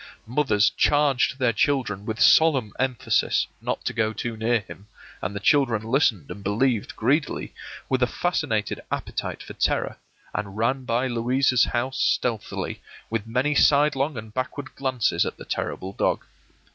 Mothers charged their children with solemn emphasis not to go too near to him, and the children listened and believed greedily, with a fascinated appetite for terror, and ran by Louisa's house stealthily, with many sidelong and backward glances at the terrible dog.